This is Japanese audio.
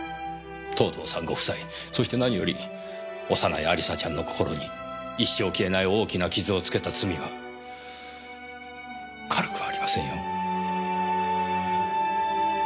藤堂さんご夫妻そして何より幼い亜里沙ちゃんの心に一生消えない大きな傷を付けた罪は軽くはありませんよ。